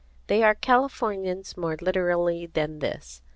They are Californians more literally than this.